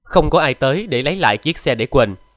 không có ai tới để lấy lại chiếc xe để quên